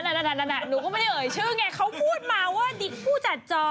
อ๋อเอาหน่าหนูก็ไม่ได้เอ่ยชื่อไงเขาพูดมาว่าดิ๊กผู้จัดจอ